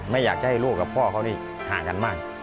ไม่อยากจะให้ลูกกับพ่อเขานี่ห่างกันมาก